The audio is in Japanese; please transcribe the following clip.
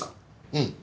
うん。